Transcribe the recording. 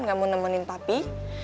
gak mau nemenin papi